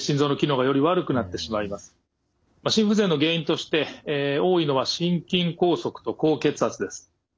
心不全の原因として多いのは心筋梗塞と高血圧です。